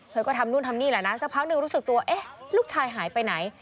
ก็ทำนู่นทำนี่แหละนะสักพักหนึ่งรู้สึกตัวเอ๊ะลูกชายหายไปไหน